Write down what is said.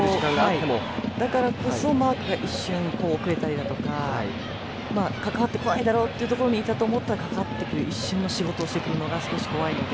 だからこそ、マークが一瞬、遅れたりだとか関わって怖いだろうというところにいたと思っていたら関わってくる一瞬の仕事をしてくるのが少し怖いので。